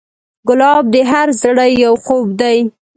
ګلاب د هر زړه یو خوب دی.